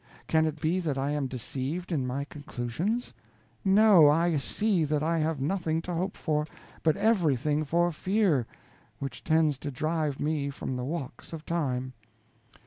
Can it be that I am deceived in my conclusions? No, I see that I have nothing to hope for, but everything to fear, which tends to drive me from the walks of time.